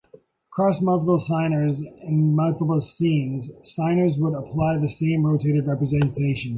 Across multiple signers and multiple scenes, signers would apply the same rotated representation.